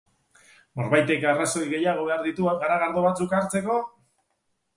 Norbaitek arrazoi gehiago behar ditu garagardo batzuk hartzeko?